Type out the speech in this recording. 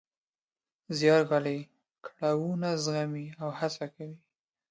زیار ګالي، کړاوونه زغمي او هڅه کوي.